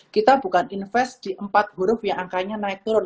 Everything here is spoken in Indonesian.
kita bukan invest di empat huruf yang angkanya naik turun